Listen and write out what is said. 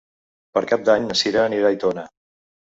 Per Cap d'Any na Sira anirà a Aitona.